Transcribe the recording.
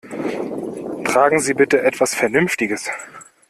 Tragen Sie bitte etwas Vernünftiges!